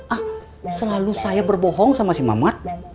ah selalu saya berbohong sama si mamat